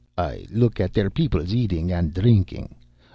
"I look at der peoples eading and drinking.